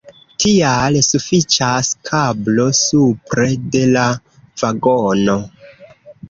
Tial sufiĉas kablo supre de la vagono.